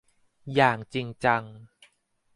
อย่างจริงจัง